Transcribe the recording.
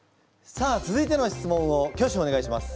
さあ続いての質問を挙手お願いします。